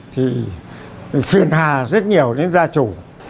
thì phiền hà rất nhiều đến gia chủ